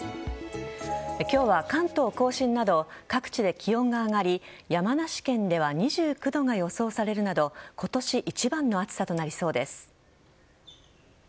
今日は関東甲信など各地で気温が上がり山梨県では２９度が予想されるなど今年一番の暑さとなりそうです。